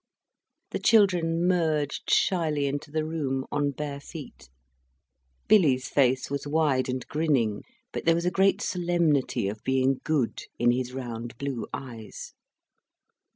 The children merged shyly into the room, on bare feet. Billy's face was wide and grinning, but there was a great solemnity of being good in his round blue eyes.